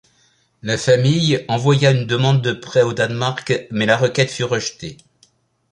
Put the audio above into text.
La famille envoya une demande de prêt au Danemark, mais la requête fut rejetée.